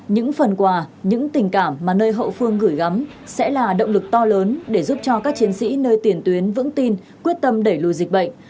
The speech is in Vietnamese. những phần quà những tình cảm mà nơi hậu phương gửi gắm sẽ là động lực to lớn để giúp cho các chiến sĩ nơi tiền tuyến vững tin quyết tâm đẩy lùi dịch bệnh